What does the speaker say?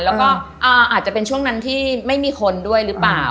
แล้วก็อาจจะเป็นช่วงนั้นที่ไม่มีคนด้วยหรือเปล่า